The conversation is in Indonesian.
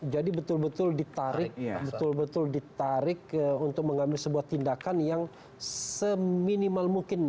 jadi betul betul ditarik untuk mengambil sebuah tindakan yang seminimal mungkin